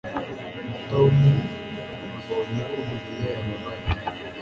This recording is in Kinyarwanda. tom yabonye ko mariya yababaye